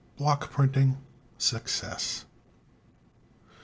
Block Printing. Success.